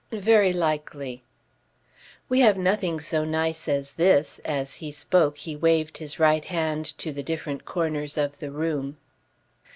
"Very likely." "We have nothing so nice as this;" as he spoke he waved his right hand to the different corners of the room.